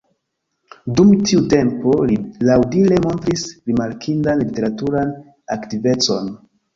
Dum tiu tempo li laŭdire montris rimarkindan literaturan aktivecon.